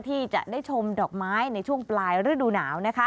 ที่จะได้ชมดอกไม้ในช่วงปลายฤดูหนาว